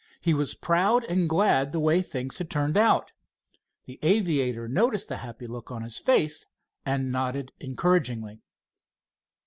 He was proud and glad the way things had turned out. The aviator noticed the happy look on his face, and nodded encouragingly.